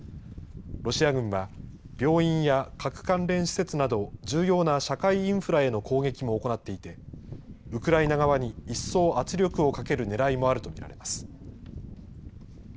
ロシア軍は、病院や核関連施設など、重要な社会インフラへの攻撃も行っていて、ウクライナ側に一層圧力をかけるねらいもあると見られます。